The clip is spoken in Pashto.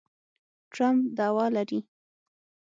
ټرمپ دعوه لري